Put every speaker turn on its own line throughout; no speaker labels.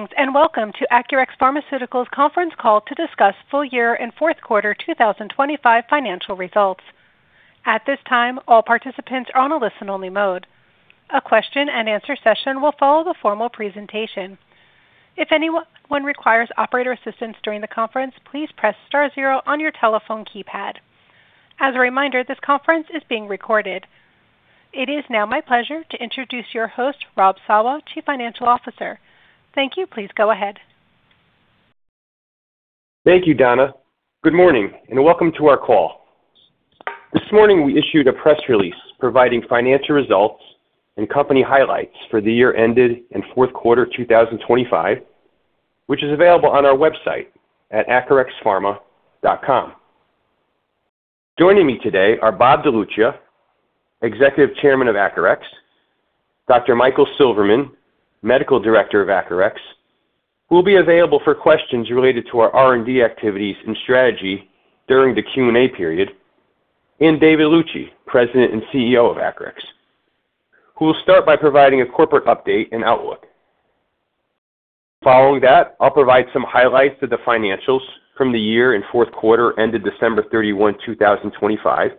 Greetings, and welcome to Acurx Pharmaceuticals' conference call to discuss full year and fourth quarter 2025 financial results. At this time, all participants are on a listen-only mode. A question and answer session will follow the formal presentation. If anyone requires operator assistance during the conference, please press star zero on your telephone keypad. As a reminder, this conference is being recorded. It is now my pleasure to introduce your host, Rob Shawah, Chief Financial Officer. Thank you. Please go ahead.
Thank you, Donna. Good morning and welcome to our call. This morning, we issued a press release providing financial results and company highlights for the year and fourth quarter 2025, which is available on our website at acurxpharma.com. Joining me today are Robert DeLuccia, Executive Chairman of Acurx, Dr. Michael Silverman, Medical Director of Acurx, who will be available for questions related to our R&D activities and strategy during the Q&A period, and David Luci, President and CEO of Acurx, who will start by providing a corporate update and outlook. Following that, I'll provide some highlights of the financials from the year and fourth quarter ended December 31, 2025,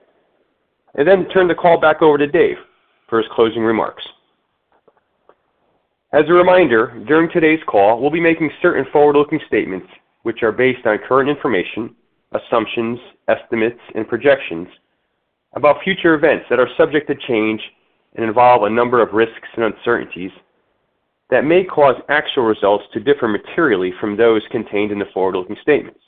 and then turn the call back over to Dave for his closing remarks. As a reminder, during today's call, we'll be making certain forward-looking statements which are based on current information, assumptions, estimates, and projections about future events that are subject to change and involve a number of risks and uncertainties that may cause actual results to differ materially from those contained in the forward-looking statements.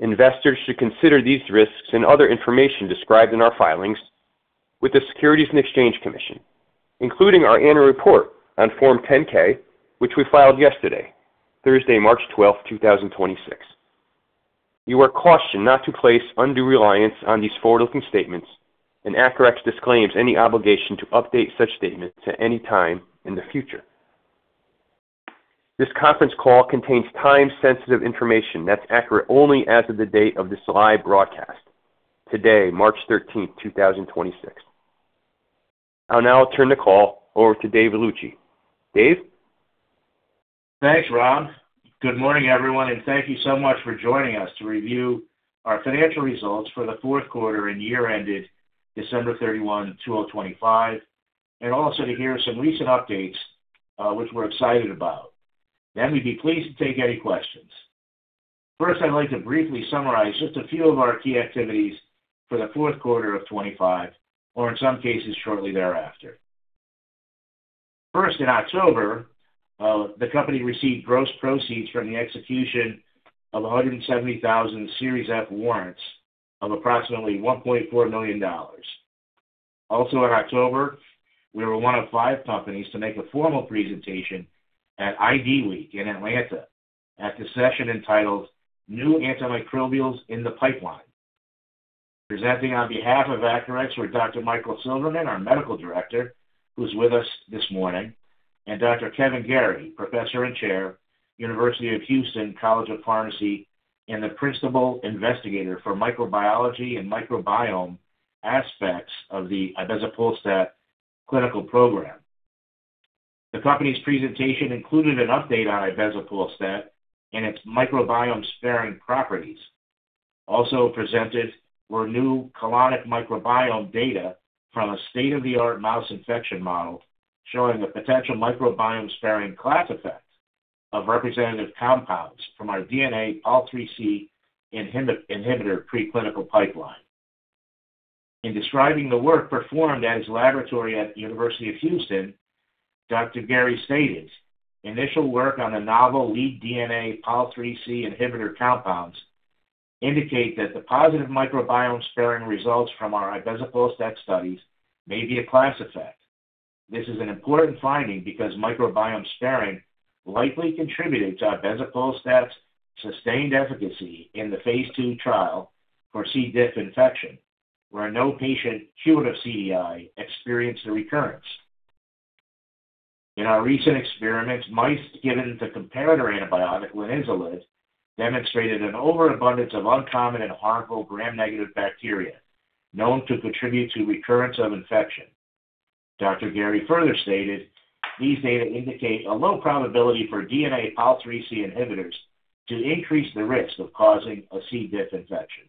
Investors should consider these risks and other information described in our filings with the Securities and Exchange Commission, including our annual report on Form 10-K, which we filed yesterday, Thursday, March 12, 2026. You are cautioned not to place undue reliance on these forward-looking statements, and Acurx disclaims any obligation to update such statements at any time in the future. This conference call contains time-sensitive information that's accurate only as of the date of this live broadcast, today, March 13, 2026. I'll now turn the call over to David Luci. Dave?
Thanks, Rob. Good morning, everyone, and thank you so much for joining us to review our financial results for the fourth quarter and year ended December 31, 2025, and also to hear some recent updates, which we're excited about. We'd be pleased to take any questions. First, I'd like to briefly summarize just a few of our key activities for the fourth quarter of 2025, or in some cases, shortly thereafter. First, in October, the company received gross proceeds from the execution of 170,000 Series F Warrants of approximately $1.4 million. Also, in October, we were one of five companies to make a formal presentation at IDWeek in Atlanta at the session entitled New Antimicrobials in the Pipeline. Presenting on behalf of Acurx were Dr. Michael Silverman, our Medical Director, who's with us this morning, and Dr. Kevin Garey, Professor and Chair, University of Houston College of Pharmacy, and the principal investigator for microbiology and microbiome aspects of the ibezapolstat clinical program. The company's presentation included an update on ibezapolstat and its microbiome-sparing properties. Also presented were new colonic microbiome data from a state-of-the-art mouse infection model showing the potential microbiome-sparing class effect of representative compounds from our DNA Pol IIIc inhibitor preclinical pipeline. In describing the work performed at his laboratory at the University of Houston, Dr. Garey stated, "Initial work on the novel lead DNA Pol IIIc inhibitor compounds indicate that the positive microbiome sparing results from our ibezapolstat studies may be a class effect. This is an important finding because microbiome sparing likely contributed to ibezapolstat's sustained efficacy in the phase II trial for C. diff infection, where no patient cured of CDI experienced a recurrence. In our recent experiments, mice given the comparator antibiotic, linezolid, demonstrated an overabundance of uncommon and harmful Gram-negative bacteria known to contribute to recurrence of infection. Dr. Gary further stated, "These data indicate a low probability for DNA Pol IIIc inhibitors to increase the risk of causing a C. diff infection,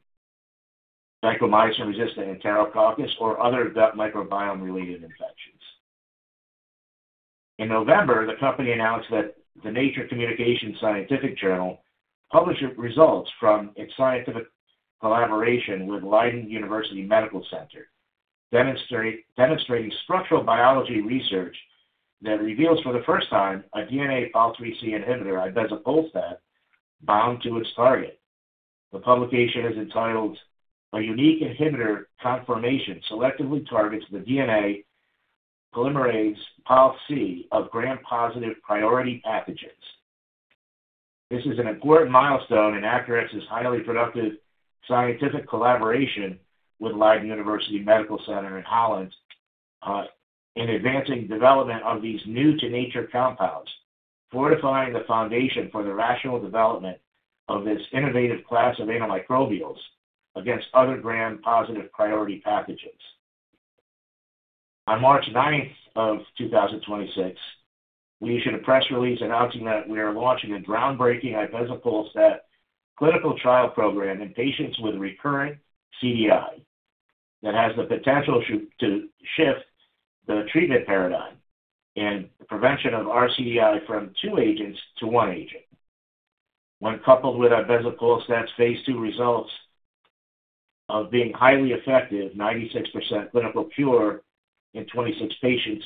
vancomycin-resistant Enterococcus, or other gut microbiome-related infections." In November, the company announced that the Nature Communications scientific journal published results from its scientific collaboration with Leiden University Medical Center, demonstrating structural biology research that reveals for the first time a DNA Pol IIIc inhibitor, ibezapolstat, bound to its target. The publication is entitled "A Unique Inhibitor Conformation Selectively Targets the DNA Polymerase Pol IIIC of Gram-Positive Priority Pathogens." This is an important milestone in Acurx's highly productive scientific collaboration with Leiden University Medical Center in Holland, in advancing development of these new to nature compounds, fortifying the foundation for the rational development of this innovative class of antimicrobials against other Gram-positive priority pathogens. On March 9, 2026, we issued a press release announcing that we are launching a groundbreaking ibezapolstat clinical trial program in patients with recurrent CDI that has the potential to shift the treatment paradigm and prevention of rCDI from two agents to one agent. When coupled with ibezapolstat's phase II results of being highly effective, 96% clinical cure in 26 patients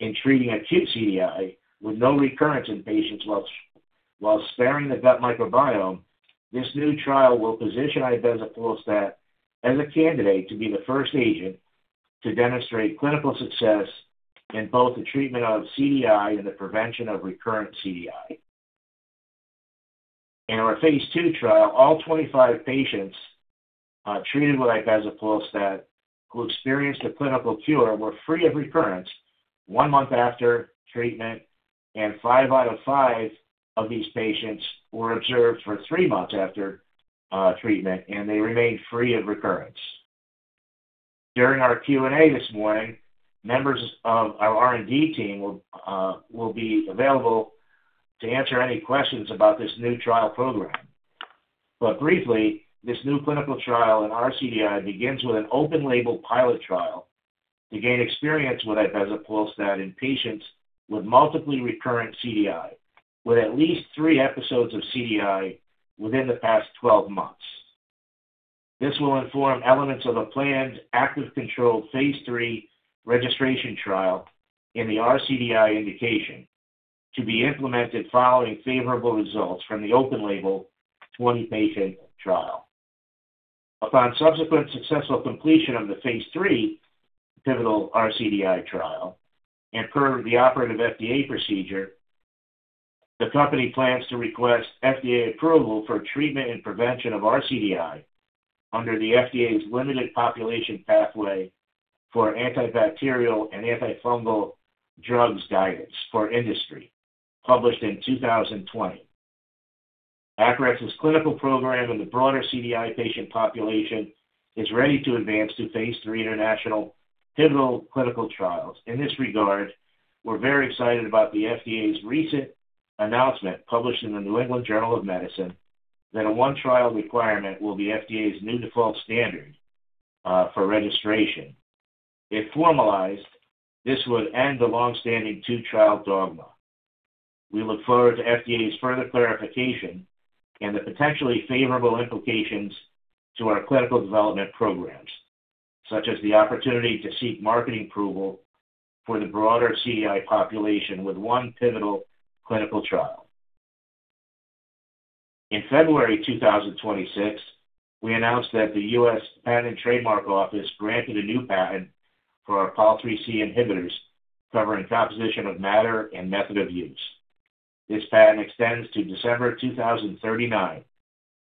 in treating acute CDI with no recurrence in patients while sparing the gut microbiome, this new trial will position ibezapolstat as a candidate to be the first agent to demonstrate clinical success in both the treatment of CDI and the prevention of recurrent CDI. In our phase II trial, all 25 patients treated with ibezapolstat who experienced a clinical cure were free of recurrence one month after treatment, and five out of five of these patients were observed for three months after treatment, and they remained free of recurrence. During our Q&A this morning, members of our R&D team will be available to answer any questions about this new trial program. Briefly, this new clinical trial in rCDI begins with an open-label pilot trial to gain experience with ibezapolstat in patients with multiple recurrent CDI, with at least three episodes of CDI within the past 12 months. This will inform elements of a planned active controlled phase III registration trial in the rCDI indication to be implemented following favorable results from the open-label 20-patient trial. Upon subsequent successful completion of the phase III pivotal rCDI trial and per the operative FDA procedure, the company plans to request FDA approval for treatment and prevention of rCDI under the FDA's Limited Population Pathway for Antibacterial and Antifungal Drugs guidance for industry, published in 2020. Acurx's clinical program in the broader CDI patient population is ready to advance to phase III international pivotal clinical trials. In this regard, we're very excited about the FDA's recent announcement, published in the New England Journal of Medicine, that a one trial requirement will be FDA's new default standard for registration. If formalized, this would end the long-standing two-trial dogma. We look forward to FDA's further clarification and the potentially favorable implications to our clinical development programs, such as the opportunity to seek marketing approval for the broader CDI population with one pivotal clinical trial. In February 2026, we announced that the U.S. Patent and Trademark Office granted a new patent for our Pol IIIC inhibitors covering composition of matter and method of use. This patent extends to December 2039,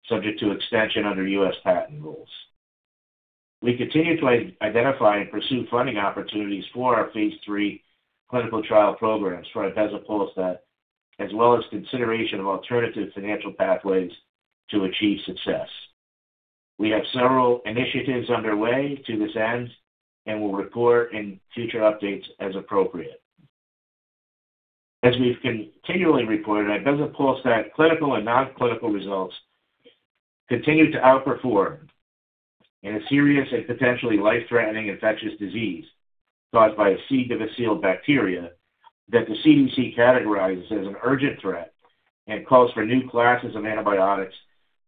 subject to extension under U.S. patent rules. We continue to identify and pursue funding opportunities for our phase III clinical trial programs for ibezapolstat, as well as consideration of alternative financial pathways to achieve success. We have several initiatives underway to this end, and we'll report in future updates as appropriate. As we've continually reported, ibezapolstat clinical and non-clinical results continue to outperform in a serious and potentially life-threatening infectious disease caused by C. difficile bacteria that the CDC categorizes as an urgent threat and calls for new classes of antibiotics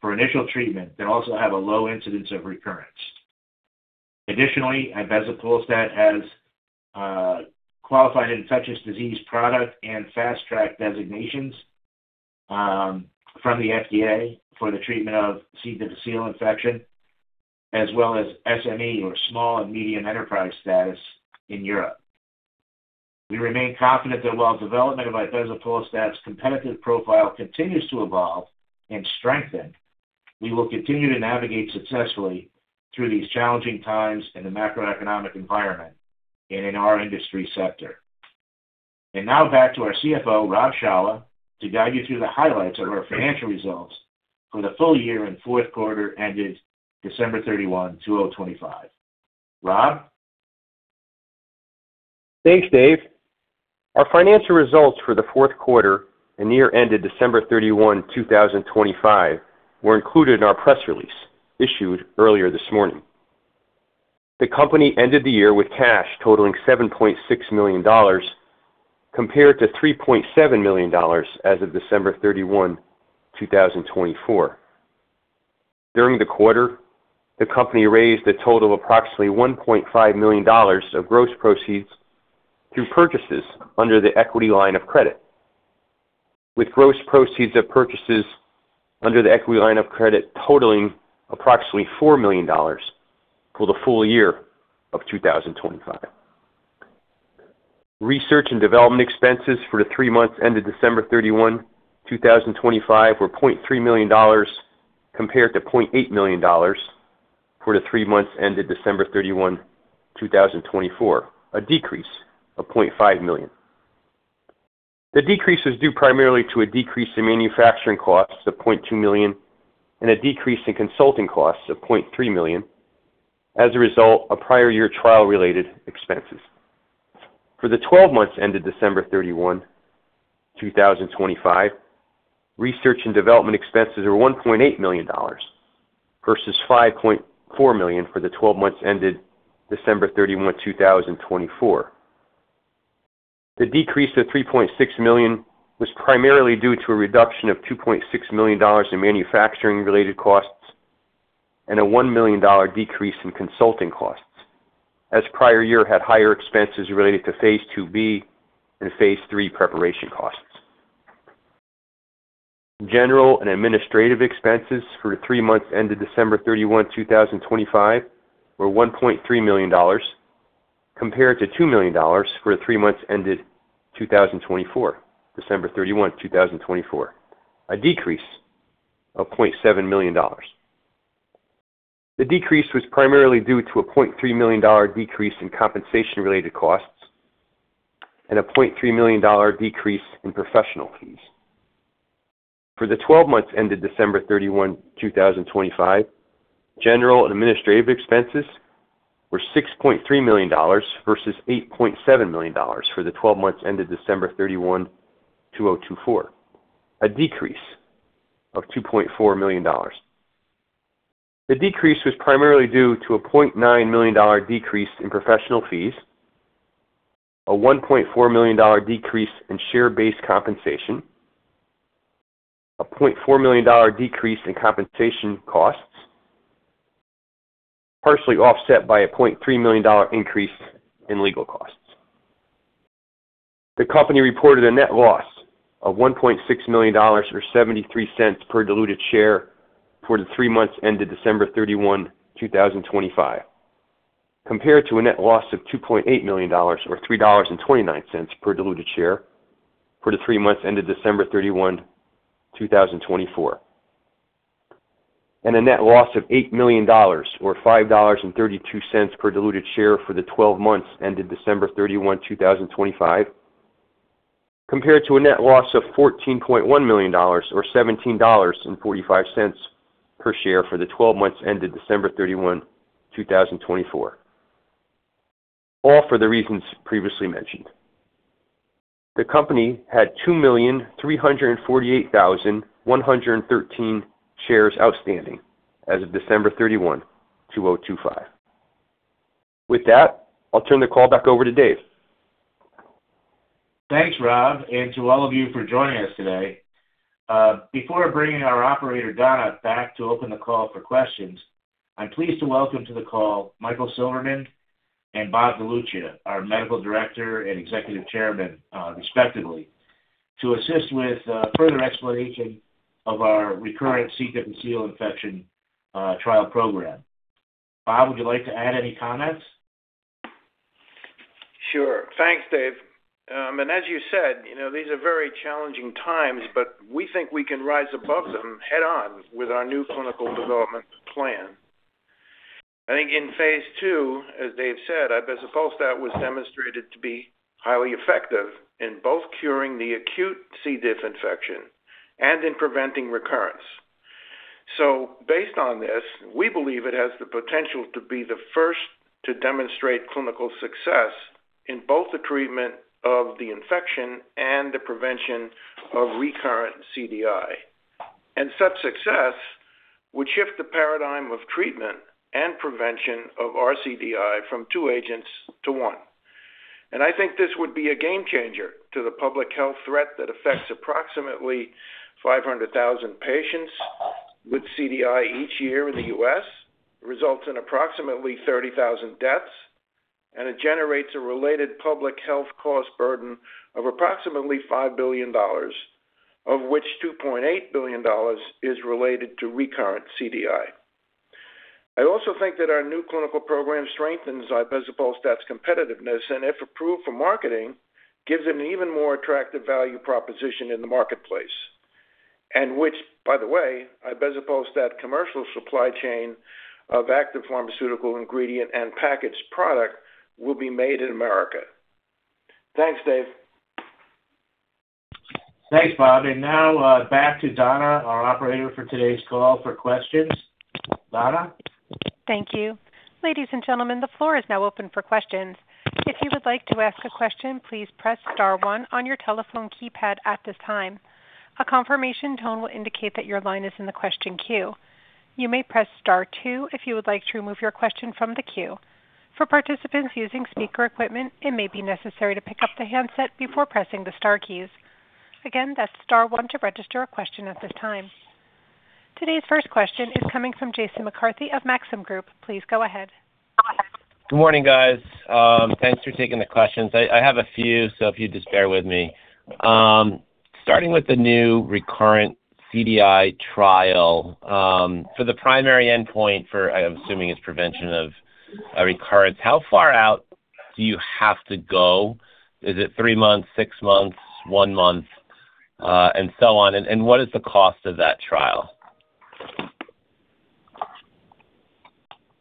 for initial treatment that also have a low incidence of recurrence. Additionally, ibezapolstat has qualified infectious disease product and fast track designations from the FDA for the treatment of C. difficile infection, as well as SME or small and medium enterprise status in Europe. We remain confident that while development of ibezapolstat's competitive profile continues to evolve and strengthen, we will continue to navigate successfully through these challenging times in the macroeconomic environment and in our industry sector. Now back to our CFO, Rob Shawah, to guide you through the highlights of our financial results for the full year and fourth quarter ended December 31, 2025. Rob?
Thanks, Dave. Our financial results for the fourth quarter and year ended December 31, 2025, were included in our press release issued earlier this morning. The company ended the year with cash totaling $7.6 million compared to $3.7 million as of December 31, 2024. During the quarter, the company raised a total of approximately $1.5 million of gross proceeds through purchases under the equity line of credit, with gross proceeds of purchases under the equity line of credit totaling approximately $4 million for the full year of 2025. Research and development expenses for the three months ended December 31, 2025, were $0.3 million compared to $0.8 million for the three months ended December 31, 2024, a decrease of $0.5 million. The decrease is due primarily to a decrease in manufacturing costs of $0.2 million and a decrease in consulting costs of $0.3 million as a result of prior year trial-related expenses. For the 12 months ended December 31, 2025, research and development expenses were $1.8 million versus $5.4 million for the 12 months ended December 31, 2024. The decrease of $3.6 million was primarily due to a reduction of $2.6 million in manufacturing-related costs and a $1 million decrease in consulting costs, as prior year had higher expenses related to phase IIb and phase III preparation costs. General and administrative expenses for the three months ended December 31, 2025 were $1.3 million compared to $2 million for the three months ended December 31, 2024, a decrease of $0.7 million. The decrease was primarily due to a $0.3 million decrease in compensation-related costs and a $0.3 million decrease in professional fees. For the 12 months ended December 31, 2025, general and administrative expenses were $6.3 million versus $8.7 million for the 12 months ended December 31, 2024, a decrease of $2.4 million. The decrease was primarily due to a $0.9 million decrease in professional fees, a $1.4 million decrease in share-based compensation, a $0.4 million decrease in compensation costs, partially offset by a $0.3 million increase in legal costs. The company reported a net loss of $1.6 million, or $0.73 per diluted share for the three months ended December 31, 2025, compared to a net loss of $2.8 million or $3.29 per diluted share for the three months ended December 31, 2024, and a net loss of $8 million or $5.32 per diluted share for the twelve months ended December 31, 2025, compared to a net loss of $14.1 million or $17.45 per share for the twelve months ended December 31, 2024, all for the reasons previously mentioned. The company had 2,348,113 shares outstanding as of December 31, 2025. With that, I'll turn the call back over to David Luci.
Thanks, Rob, and to all of you for joining us today. Before bringing our operator, Donna, back to open the call for questions, I'm pleased to welcome to the call Michael Silverman and Robert DeLuccia, our Medical Director and Executive Chairman, respectively, to assist with further explanation of our recurrent C. diff and CDI infection trial program. Bob, would you like to add any comments?
Sure. Thanks, Dave. As you said, you know, these are very challenging times, but we think we can rise above them head on with our new clinical development plan. I think in phase II, as Dave said, ibezapolstat was demonstrated to be highly effective in both curing the acute C. diff infection and in preventing recurrence. Based on this, we believe it has the potential to be the first to demonstrate clinical success in both the treatment of the infection and the prevention of recurrent CDI. Such success would shift the paradigm of treatment and prevention of rCDI from two agents to one. I think this would be a game changer to the public health threat that affects approximately 500,000 patients with CDI each year in the U.S., results in approximately 30,000 deaths, and it generates a related public health cost burden of approximately $5 billion, of which $2.8 billion is related to recurrent CDI. I also think that our new clinical program strengthens ibezapolstat's competitiveness, and if approved for marketing, gives an even more attractive value proposition in the marketplace. Which, by the way, ibezapolstat commercial supply chain of active pharmaceutical ingredient and packaged product will be made in America. Thanks, Dave.
Thanks, Bob. Now, back to Donna, our operator for today's call for questions. Donna?
Thank you. Ladies and gentlemen, the floor is now open for questions. If you would like to ask a question, please press star one on your telephone keypad at this time. A confirmation tone will indicate that your line is in the question queue. You may press star two if you would like to remove your question from the queue. For participants using speaker equipment, it may be necessary to pick up the handset before pressing the star keys. Again, that's star one to register a question at this time. Today's first question is coming from Jason McCarthy of Maxim Group. Please go ahead.
Good morning, guys. Thanks for taking the questions. I have a few, so if you just bear with me. Starting with the new recurrent CDI trial, for the primary endpoint, I'm assuming it's prevention of a recurrence, how far out do you have to go? Is it three months, six months, one month, and so on? And what is the cost of that trial? Bob?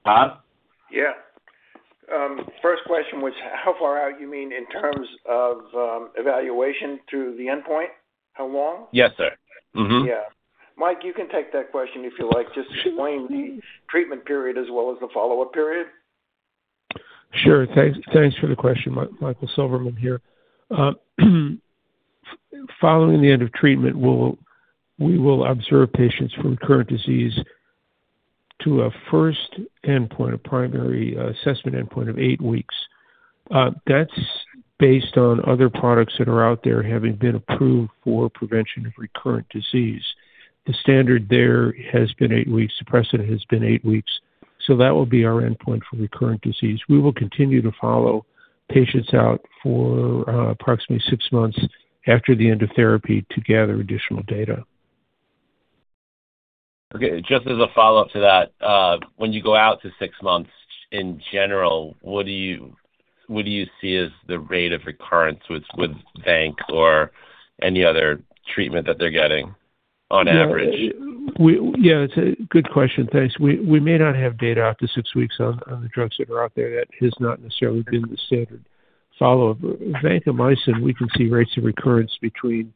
Yeah. First question was how far out you mean in terms of evaluation through the endpoint? How long?
Yes, sir. Mm-hmm.
Yeah. Mike, you can take that question if you like. Just explain the treatment period as well as the follow-up period.
Sure. Thanks for the question, Michael Silverman here. Following the end of treatment, we will observe patients from cure of the disease to a first endpoint, a primary assessment endpoint of eight weeks. That's based on other products that are out there having been approved for prevention of recurrent disease. The standard there has been eight weeks. The precedent has been eight weeks. That will be our endpoint for recurrent disease. We will continue to follow patients out for approximately six months after the end of therapy to gather additional data.
Okay. Just as a follow-up to that, when you go out to six months in general, what do you see as the rate of recurrence with vanc or any other treatment that they're getting on average?
Yeah, it's a good question. Thanks. We may not have data out to six weeks on the drugs that are out there. That has not necessarily been the standard follow-up. Vancomycin, we can see rates of recurrence between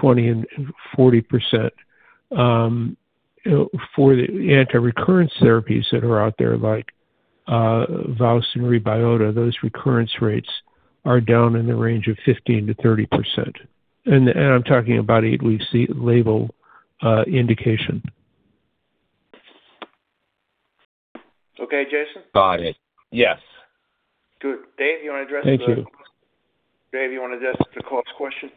20% and 40%. You know, for the anti-recurrence therapies that are out there like Vowst and Rebyota, those recurrence rates are down in the range of 15%-30%. I'm talking about eight weeks, the label indication.
Okay, Jason?
Got it. Yes.
Good. Dave, you wanna address the
Thank you.
Dave, you wanna address the cost question?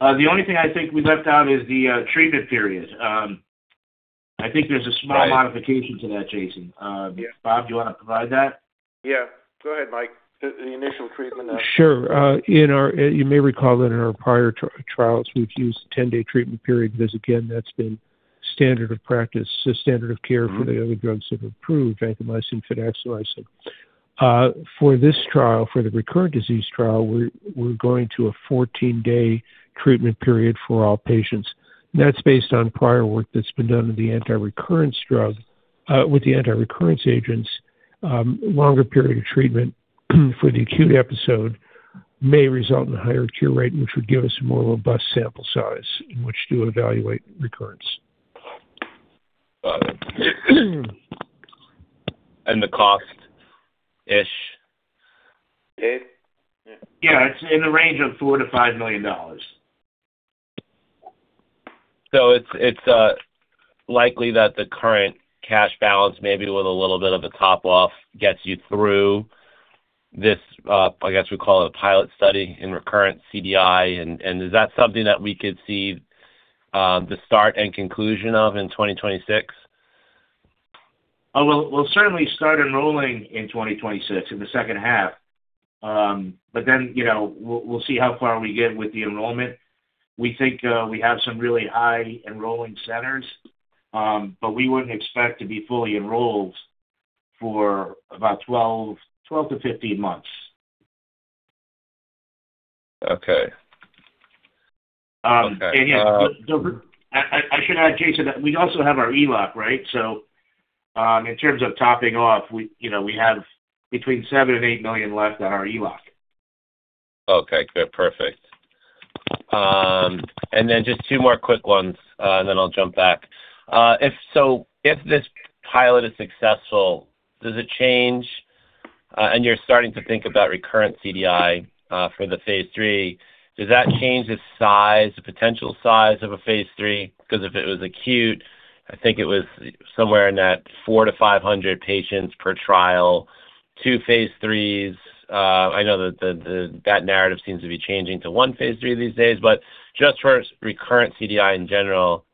The only thing I think we left out is the treatment period. I think there's a small modification to that, Jason.
Yeah.
Bob, do you wanna provide that?
Yeah, go ahead, Mike. The initial treatment
Sure. You may recall that in our prior trials, we've used 10-day treatment period because, again, that's been standard of practice, a standard of care for the other drugs that have improved vancomycin, fidaxomicin. For this trial, for the recurrent disease trial, we're going to a 14-day treatment period for all patients. That's based on prior work that's been done with the anti-recurrence drug with the anti-recurrence agents, longer period of treatment for the acute episode may result in a higher cure rate, which would give us a more robust sample size in which to evaluate recurrence.
Got it. The cost-ish.
Dave?
Yeah, it's in the range of $4 million-$5 million.
It's likely that the current cash balance, maybe with a little bit of a top off, gets you through this, I guess we call it a pilot study in recurrent CDI, and is that something that we could see, the start and conclusion of in 2026?
We'll certainly start enrolling in 2026 in the second half. You know, we'll see how far we get with the enrollment. We think we have some really high enrolling centers, but we wouldn't expect to be fully enrolled for about 12-15 months.
Okay.
I should add, Jason, that we also have our ELOC, right? In terms of topping off, you know, we have between $7 million and $8 million left on our ELOC.
Okay. Perfect. Then just two more quick ones, then I'll jump back. If this pilot is successful, does it change, and you're starting to think about recurrent CDI for the phase III, does that change the size, the potential size of a phase III? 'Cause if it was acute, I think it was somewhere in that 400-500 patients per trial. Two phase IIIs, I know that the narrative seems to be changing to one phase III these days. Just for recurrent CDI in general,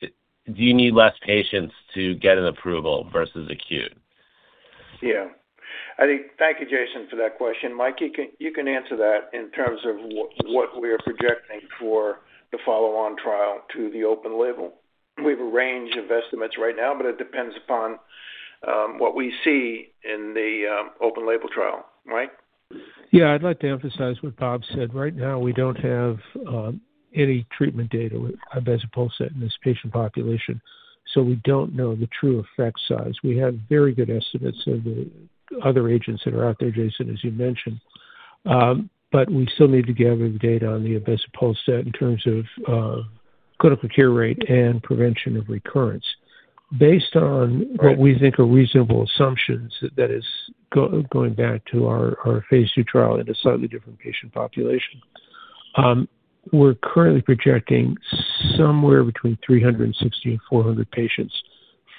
do you need less patients to get an approval versus acute?
Thank you, Jason, for that question. Mike, you can answer that in terms of what we are projecting for the follow-on trial to the open-label. We have a range of estimates right now, but it depends upon what we see in the open-label trial. Mike?
Yeah. I'd like to emphasize what Bob said. Right now, we don't have any treatment data with ibezapolstat in this patient population, so we don't know the true effect size. We have very good estimates of the other agents that are out there, Jason, as you mentioned. We still need to gather the data on the ibezapolstat in terms of clinical cure rate and prevention of recurrence. Based on what we think are reasonable assumptions, that is going back to our phase II trial in a slightly different patient population, we're currently projecting somewhere between 360 and 400 patients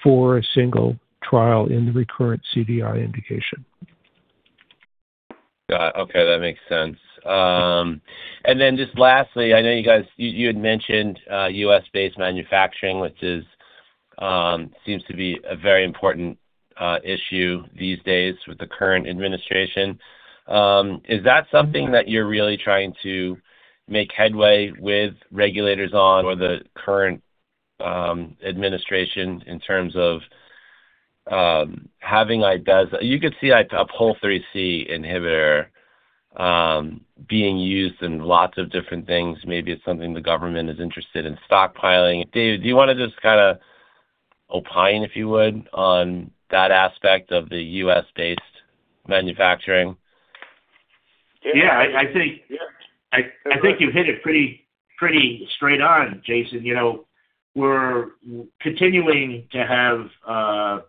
for a single trial in the recurrent CDI indication.
Got it. Okay, that makes sense. Just lastly, I know you guys had mentioned U.S.-based manufacturing, which seems to be a very important issue these days with the current administration. Is that something that you're really trying to make headway with regulators on or the current administration in terms of having ibezapolstat. You could see a Pol IIIC inhibitor being used in lots of different things. Maybe it's something the government is interested in stockpiling. Dave, do you wanna just kinda opine, if you would, on that aspect of the U.S.-based manufacturing.
Yeah. I think.
Yeah.
I think you hit it pretty straight on, Jason. You know, we're continuing to have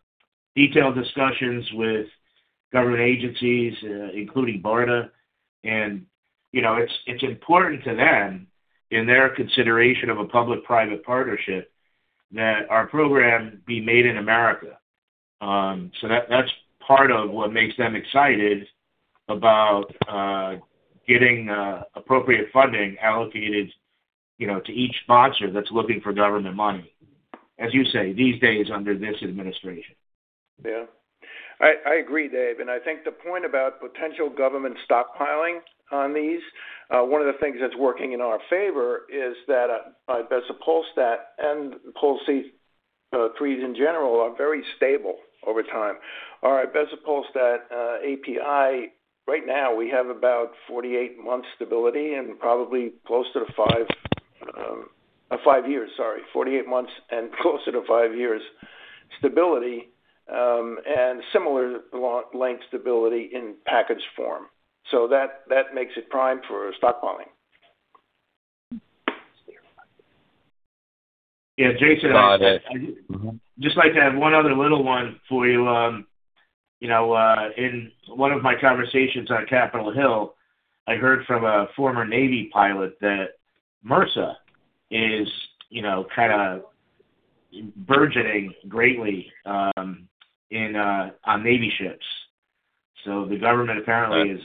detailed discussions with government agencies, including BARDA. You know, it's important to them in their consideration of a public-private partnership that our program be made in America. That's part of what makes them excited about getting appropriate funding allocated, you know, to each sponsor that's looking for government money, as you say, these days under this administration.
Yeah. I agree, Dave. I think the point about potential government stockpiling on these, one of the things that's working in our favor is that our ibezapolstat and Pol IIIC's in general are very stable over time. Our ibezapolstat API, right now, we have about 48 months stability and probably closer to five years stability, and similar long-term stability in package form. That makes it prime for stockpiling.
Yeah, Jason.
Got it. Mm-hmm.
I'd just like to add one other little one for you. You know, in one of my conversations on Capitol Hill, I heard from a former Navy pilot that MRSA is, you know, kinda burgeoning greatly in on Navy ships. The government apparently is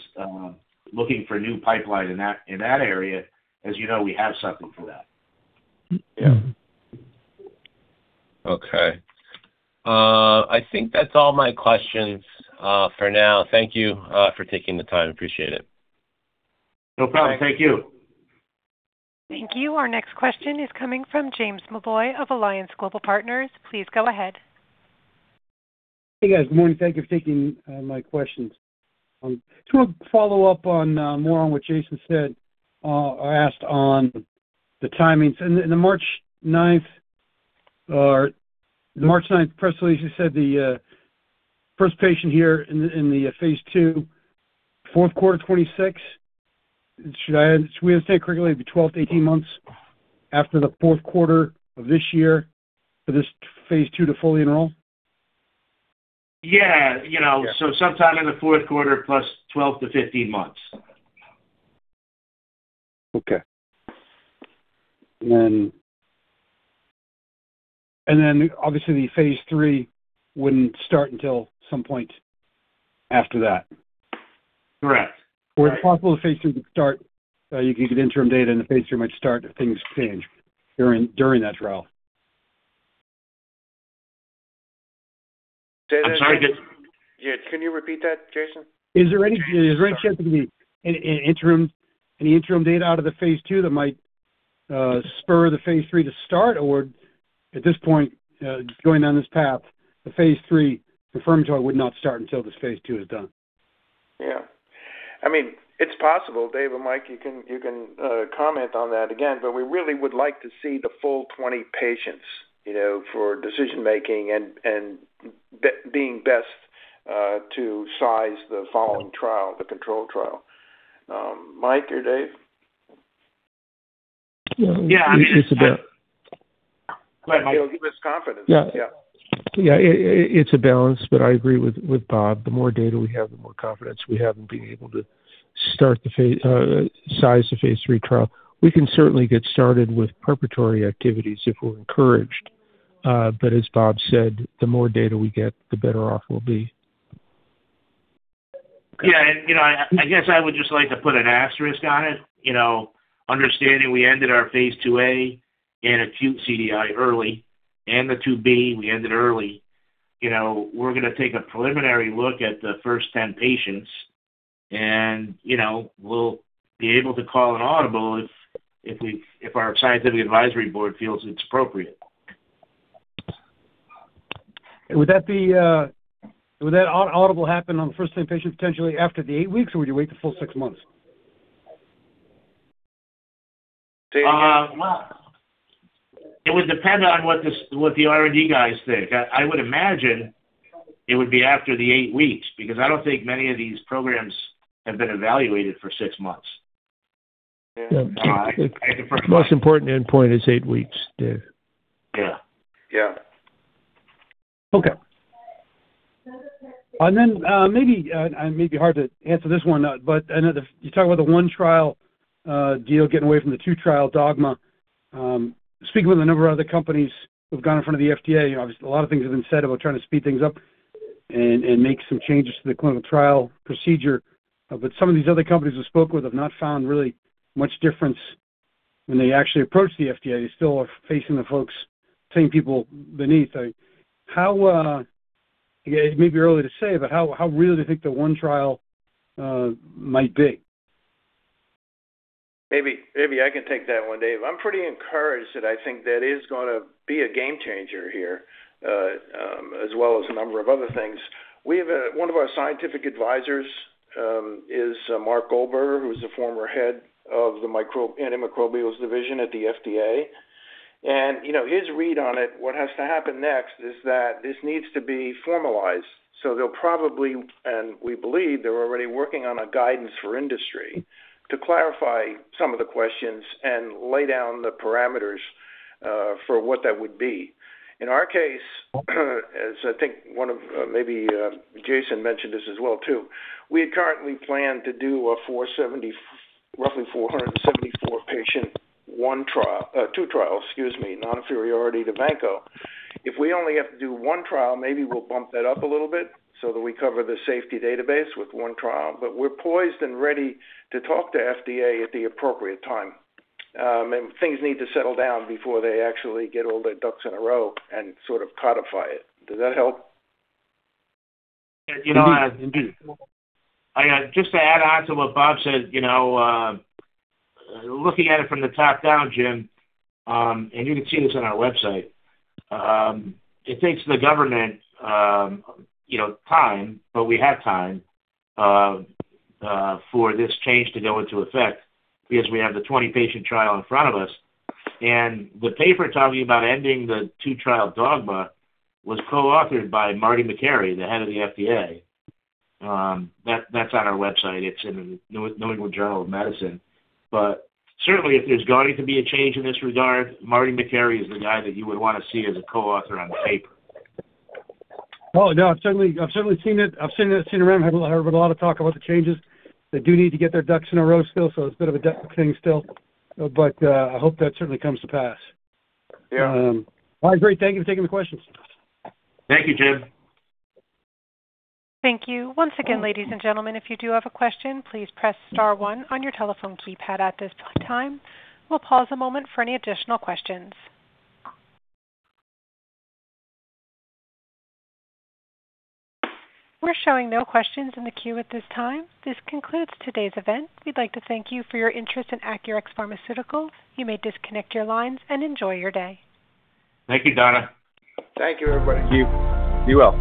looking for a new pipeline in that area. As you know, we have something for that.
Yeah.
Okay. I think that's all my questions, for now. Thank you, for taking the time. Appreciate it.
No problem. Thank you.
Thank you. Our next question is coming from James Molloy of Alliance Global Partners. Please go ahead.
Hey, guys. Morning. Thank you for taking my questions. Sort of follow up on more on what Jason said or asked on the timings. In the March ninth press release, you said the first patient here in the phase II, fourth quarter 2026. So we understand correctly, it'd be 12-18 months after the fourth quarter of this year for this phase II to fully enroll?
Yeah. You know.
Yeah.
Sometime in the fourth quarter plus 12-15 months.
Okay. Obviously the phase III wouldn't start until some point after that.
Correct. Right.
It's possible the phase III could start, you can get interim data, and the phase III might start if things change during that trial.
David-
I'm sorry. Yeah, can you repeat that, Jason?
Is there any chance there can be an interim data out of the phase II that might spur the phase III to start? Or at this point, going down this path, the phase III confirmatory would not start until this phase II is done.
Yeah. I mean, it's possible. Dave or Mike, you can comment on that again, but we really would like to see the full 20 patients, you know, for decision-making and being best to size the following trial, the control trial. Mike or Dave?
Yeah. I mean, Go ahead, Mike. You know, give us confidence.
Yeah.
Yeah.
Yeah. It's a balance, but I agree with Bob. The more data we have, the more confidence we have in being able to start the size the phase III trial. We can certainly get started with preparatory activities if we're encouraged. As Bob said, the more data we get, the better off we'll be.
Yeah. You know, I guess I would just like to put an asterisk on it, you know, understanding we ended our phase IIa in acute CDI early and the phase IIb, we ended early. You know, we're gonna take a preliminary look at the first 10 patients and, you know, we'll be able to call an audible if we, if our scientific advisory board feels it's appropriate.
Would that auditable happen on the first 10 patients potentially after the eight weeks, or would you wait the full six months?
It would depend on what the R&D guys think. I would imagine it would be after the eight weeks, because I don't think many of these programs have been evaluated for six months.
The most important endpoint is eight weeks, Dave.
Yeah.
Yeah.
Okay. Maybe it may be hard to answer this one, but another. You talk about the one trial deal, getting away from the two-trial dogma. Speaking with a number of other companies who've gone in front of the FDA, you know, obviously a lot of things have been said about trying to speed things up and make some changes to the clinical trial procedure. Some of these other companies I've spoke with have not found really much difference when they actually approach the FDA. They still are facing the same folks beneath. How, again, it may be early to say, but how real do they think the one trial might be?
Maybe I can take that one, Dave. I'm pretty encouraged that I think that is gonna be a game changer here, as well as a number of other things. One of our scientific advisors is Mark Goldberger, who's the former head of the antimicrobials division at the FDA. You know, his read on it, what has to happen next is that this needs to be formalized. They'll probably, and we believe they're already working on a guidance for industry to clarify some of the questions and lay down the parameters for what that would be. In our case, as I think one of, maybe, Jason mentioned this as well too, we had currently planned to do a roughly 474-patient phase II trial, excuse me, non-inferiority to vanco. If we only have to do one trial, maybe we'll bump that up a little bit so that we cover the safety database with one trial. We're poised and ready to talk to FDA at the appropriate time. Things need to settle down before they actually get all their ducks in a row and sort of codify it. Does that help?
You know, just to add on to what Bob said, you know, looking at it from the top down, Jim, and you can see this on our website, it takes the government, you know, time, but we have time, for this change to go into effect because we have the 20-patient trial in front of us. The paper talking about ending the two-trial dogma was co-authored by Marty Makary, the head of the FDA. That's on our website. It's in the New England Journal of Medicine. Certainly, if there's going to be a change in this regard, Marty Makary is the guy that you would wanna see as a co-author on the paper.
Oh, no, I've certainly seen it. I've seen it, seen him around, heard a lot of talk about the changes. They do need to get their ducks in a row still, so it's a bit of a duck thing still. I hope that certainly comes to pass.
Yeah.
All right, great. Thank you for taking the questions.
Thank you, Jim.
Thank you. Once again, ladies and gentlemen, if you do have a question, please press star one on your telephone keypad at this point in time. We'll pause a moment for any additional questions. We're showing no questions in the queue at this time. This concludes today's event. We'd like to thank you for your interest in Acurx Pharmaceuticals. You may disconnect your lines and enjoy your day.
Thank you, Donna.
Thank you, everybody.
Thank you. Be well.